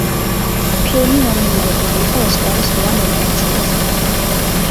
ფილმი ნომინირებული იყო ოსკარის რვა ნომინაციაზე.